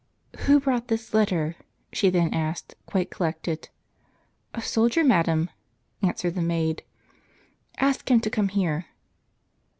"Who brought this letter?" she then asked, quite col lected, "A soldier, madam," answered the maid. " Ask him to come here."